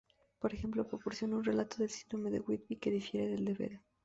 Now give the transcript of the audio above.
Por ejemplo, proporciona un relato del Sínodo de Whitby, que difiere del de Beda.